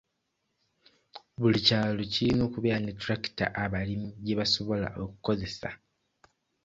Buli kyalo lirina okubeera ne ttulakita abalimi gye basobola okukozesa.